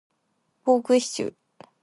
ポークシチュー